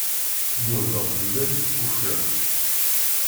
Nudaɣ fell-ak, ufiɣ-k.